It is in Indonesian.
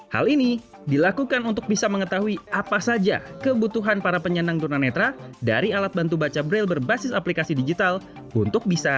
hal ini dilakukan untuk bisa mengetahui apa saja kebutuhan para penyandang tunanetra dari alat bantu baca braille berbasis aplikasi digital untuk bisa